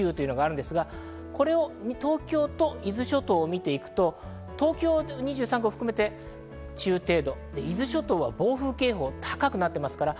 東京と伊豆諸島を見ていくと、中程度、伊豆諸島は暴風警報は高くなっています。